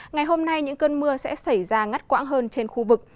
ngày hôm nay những cơn mưa sẽ xảy ra ngắt quãng hơn trên khu vực